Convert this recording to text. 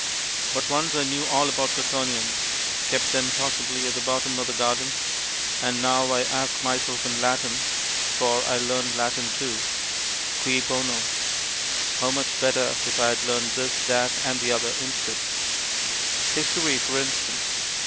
But once I knew all about quaternions; kept them, possibly, at the bottom of the garden; and now I ask myself in Latin (for I learnt Latin too), "Cui bono?" How much better if I had learnt this, that, and the other instead! History for instance.